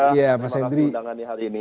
terima kasih undangan di hari ini